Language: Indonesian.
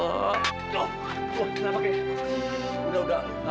oh kenapa kaya